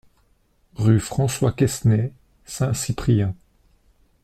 Rue François Quesnay, Saint-Cyprien